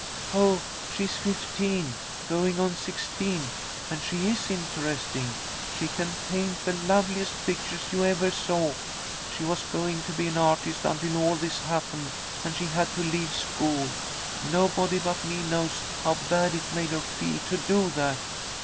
"Oh, she's fifteen, going on sixteen, and she is interesting. She can paint the loveliest pictures you ever saw. She was going to be an artist until all this happened, and she had to leave school. Nobody but me knows how bad it made her feel to do that.